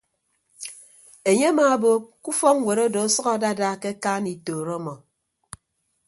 Enye amaabo ke ufọkñwet odo ọsʌk adada ke akaan itooro ọmọ.